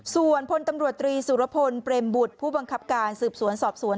ส่วนพลตำรวจตรีสุรพลเปรมบุตรผู้บังคับการสืบสวนสอบสวน